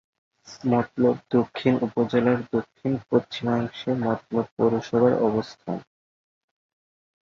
মতলব দক্ষিণ উপজেলার দক্ষিণ-পশ্চিমাংশে মতলব পৌরসভার অবস্থান।